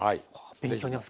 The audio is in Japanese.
勉強になります。